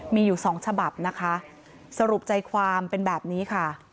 มีอยู่สองฉบับนะคะสรุปใจความเป็นแบบนี้ค่ะ